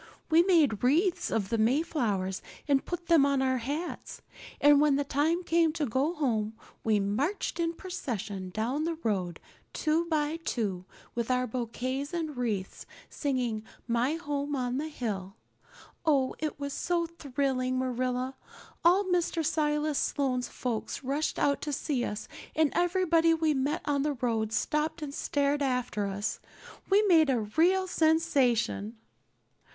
We made wreaths of the Mayflowers and put them on our hats; and when the time came to go home we marched in procession down the road, two by two, with our bouquets and wreaths, singing 'My Home on the Hill.' Oh, it was so thrilling, Marilla. All Mr. Silas Sloane's folks rushed out to see us and everybody we met on the road stopped and stared after us. We made a real sensation."